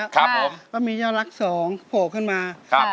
แล้วมียอดรักสองโผล่ขึ้นมา